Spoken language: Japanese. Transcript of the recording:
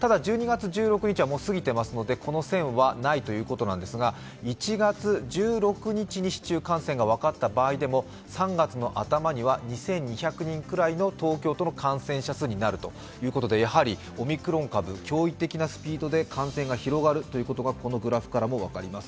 ただ、１２月１６日は過ぎてますのでこの線はないということなんですが、１月１６日に市中感染が分かった場合でも３月の頭には２２００人くらいの東京都の感染者数となるとやはりオミクロン株驚異的なスピードで感染が広がるということがこのグラフからも分かります。